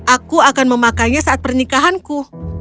aku akan memakainya saat pernikahanku